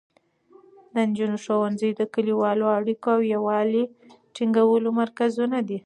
د نجونو ښوونځي د کلیوالو اړیکو او یووالي د ټینګولو مرکزونه دي.